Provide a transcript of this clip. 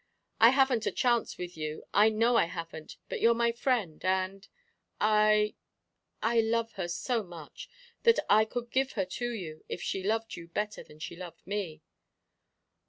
I haven't a chance with you I know I haven't; but you're my friend and I I love her so much, that I could give her to you, if she loved you better than she loved me."